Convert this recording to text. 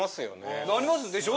なりますでしょ？